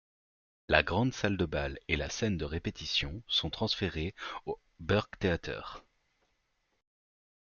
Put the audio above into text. La grande salle de bal et la scène de répétition sont transférés au Burgtheater.